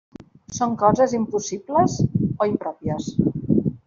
Són coses impossibles, o impròpies.